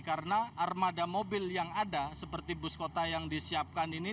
karena armada mobil yang ada seperti bus kota yang disiapkan ini